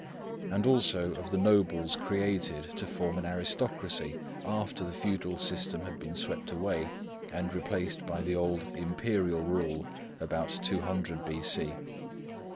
and also of the nobles created to form an aristocracy after the feudal system had been swept away and replaced by the old Imperial rule, about 200 B.C.